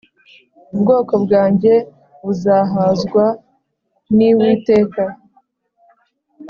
ubwoko bwanjye buzahazwa n’Iwiteka